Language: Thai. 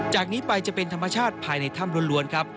จากนี้ไปจะเป็นธรรมชาติภายในถ้ำล้วนครับ